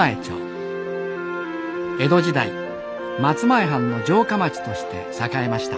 江戸時代松前藩の城下町として栄えました。